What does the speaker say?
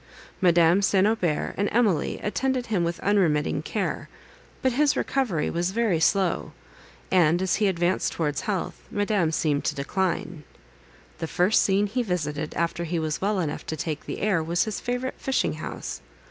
Madame St. Aubert and Emily attended him with unremitting care; but his recovery was very slow, and, as he advanced towards health, Madame seemed to decline. The first scene he visited, after he was well enough to take the air, was his favourite fishing house.